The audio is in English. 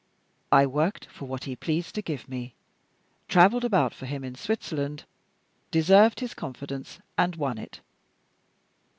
I worked for what he pleased to give me, traveled about for him in Switzerland, deserved his confidence, and won it.